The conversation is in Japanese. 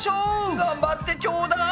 がんばってちょうだい！